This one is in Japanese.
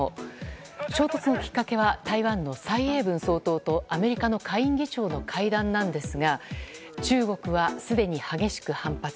衝突のきっかけは台湾の蔡英文総統とアメリカの下院議長の会談なんですが中国はすでに激しく反発。